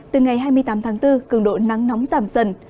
từ ngày hai mươi tám tháng bốn cường độ nắng nóng giảm dần